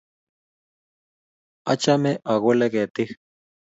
Achame akole ketiik